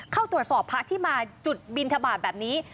เข้าตรวจสอบพระที่มาจุดบินทบาทแบบนี้